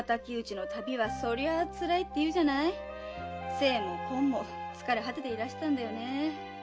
精も根も疲れ果てていらしたんだよねぇ。